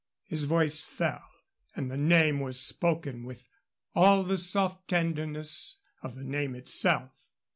His voice fell, and the name was spoken with all the soft tenderness of the name itself.